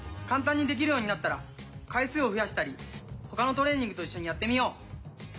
簡単にできるようになったら回数を増やしたり他のトレーニングと一緒にやってみよう。